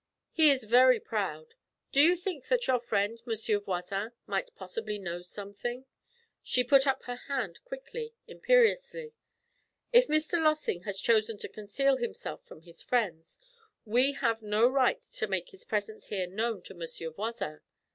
He is very proud. Do you think that your friend, Monsieur Voisin, might possibly know something ' She put up her hand quickly, imperiously. 'If Mr. Lossing has chosen to conceal himself from his friends, we have no right to make his presence here known to Monsieur Voisin.'